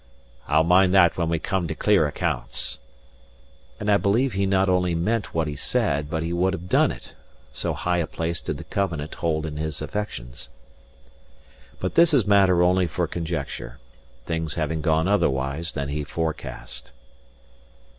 I'll mind that when we come to clear accounts." And I believe he not only meant what he said, but would have done it; so high a place did the Covenant hold in his affections. But this is matter only for conjecture, things having gone otherwise than he forecast.